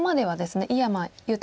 井山裕太